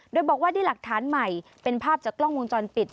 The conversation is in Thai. โดยบอกว่าได้หลักฐานใหม่เป็นภาพจากกล้องวงจรปิด